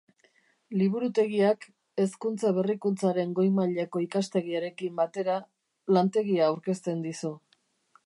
Liburutegiak, Hezkuntza Berrikuntzaren Goi Mailako Ikastegiarekin batera, lantegia aurkezten dizu.